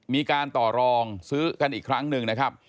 มีการต่อรองซื้อกันอีกครั้งหนึ่งนะครับ